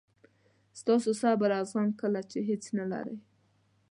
ستاسو صبر او زغم کله چې هیڅ نه لرئ.